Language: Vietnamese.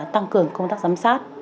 tăng cường công tác giám sát